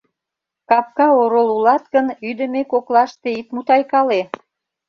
Капка орол улат гын, ӱдымӧ коклаште ит мутайкале.